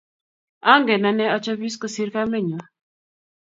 Angen ane achopis kosir kamenyu